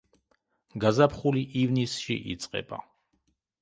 გაზაფხული ივნისში იწყება.